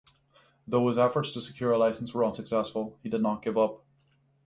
Though his efforts to secure a license were unsuccessful, he did not give up.